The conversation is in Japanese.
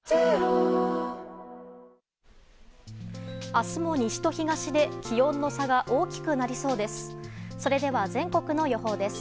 明日も西と東で気温の差が大きくなりそうです。